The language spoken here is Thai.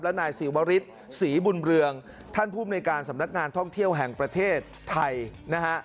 และนายศรีวริสศรีบุญเรืองท่านภูมิในการสำนักงานท่องเที่ยวแห่งประเทศไทยนะฮะ